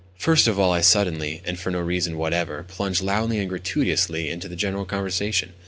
First of all I suddenly, and for no reason whatever, plunged loudly and gratuitously into the general conversation.